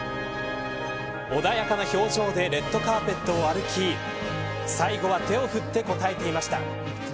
穏やかな表情でレッドカーペットを歩き最後は手を振って応えていました。